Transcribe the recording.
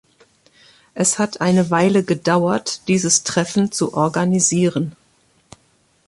Es hat eine Weile gedauert, dieses Treffen zu organisieren.